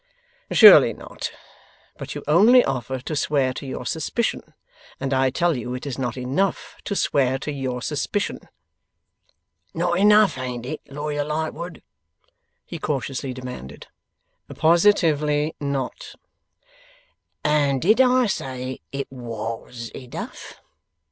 'Surely not; but you only offer to swear to your suspicion, and I tell you it is not enough to swear to your suspicion.' 'Not enough, ain't it, Lawyer Lightwood?' he cautiously demanded. 'Positively not.' 'And did I say it WAS enough?